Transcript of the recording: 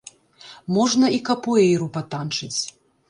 Можна і капуэйру патанчыць.